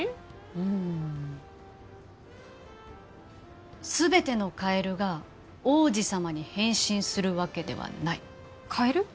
うん全てのカエルが王子様に変身するわけではないカエル？